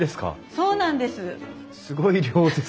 そうなんです。